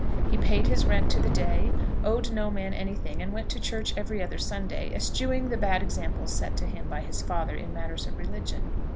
He paid his rent to the day, owed no man anything, and went to church every other Sunday, eschewing the bad example set to him by his father in matters of religion.